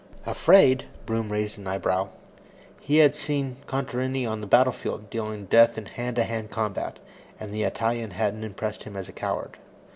"Afraid?" Broom raised an eyebrow. He had seen Contarini on the battlefield, dealing death in hand to hand combat, and the Italian hadn't impressed him as a coward.